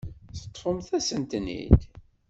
Teṭṭfemt-asent-ten-id.